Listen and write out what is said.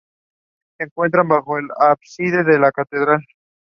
The twelve teams at each tournament were drawn into three pools of four teams.